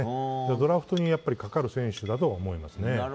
ドラフトにかかる選手だと思いますね。